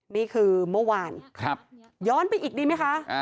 นี่คือเมื่อวานย้อนไปอีกดีไหมคะ